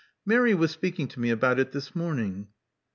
Mary was speaking to me about it this morning."